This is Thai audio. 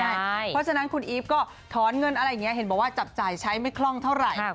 เพราะฉะนั้นคุณอีฟก็ถอนเงินอะไรอย่างนี้เห็นบอกว่าจับจ่ายใช้ไม่คล่องเท่าไหร่